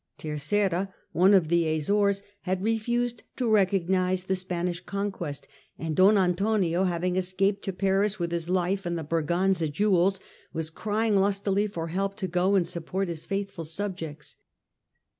Terceira, one of the Azores, had refused to recognise the Spanish conquest, and Don Antonio, having escaped to Paris with his life and the Braganza jewels, was crying lustily for help to go and support his faithful subjects.